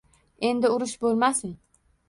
Endi urush bo`lmasin